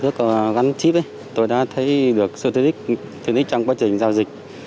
khi được làm căn cước gắn chip tôi đã thấy được sự tiện ích trong quá trình giao dịch